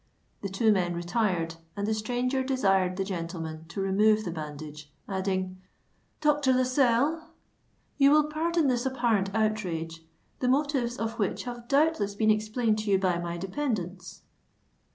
The two men retired,—and the stranger desired the gentleman to remove the bandage, adding, "Dr. Lascelles, you will pardon this apparent outrage, the motives of which have doubtless been explained to you by my dependants."